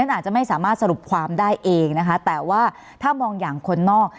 อาจจะไม่สามารถสรุปความได้เองนะคะแต่ว่าถ้ามองอย่างคนนอก